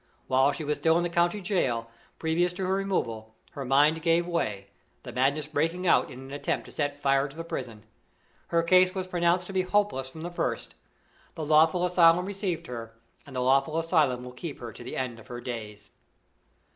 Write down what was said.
While she was still in the county jail, previous to her removal, her mind gave way, the madness breaking out in an attempt to set fire to the prison. Her case was pronounced to be hopeless from the first. The lawful asylum received her, and the lawful asylum will keep her to the end of her days.